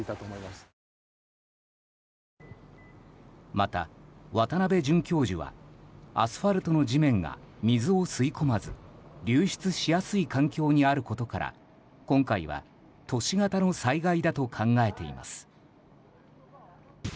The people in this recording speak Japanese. また、渡邉准教授はアスファルトの地面が水を吸い込まず流出しやすい環境にあることから今回は都市型の災害だと考えています。